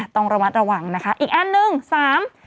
ต้องระมัดระวังนะคะอีกอันหนึ่งสาม